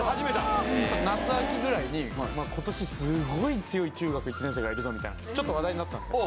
夏秋ぐらいに「今年すごい強い中学１年生がいるぞ」みたいなちょっと話題になったんすよ